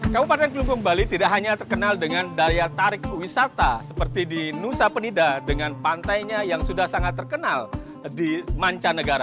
kabupaten kelungkung bali tidak hanya terkenal dengan daya tarik wisata seperti di nusa penida dengan pantainya yang sudah sangat terkenal di mancanegara